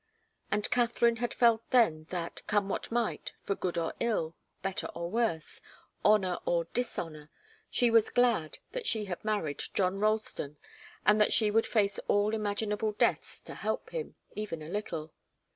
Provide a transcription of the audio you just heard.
And Katharine had felt then that, come what might, for good or ill, better or worse, honour or dishonour, she was glad that she had married John Ralston and that she would face all imaginable deaths to help him, even a little.